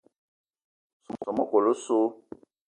Soo mekol osso.